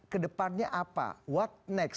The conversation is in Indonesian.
kedepannya apa what next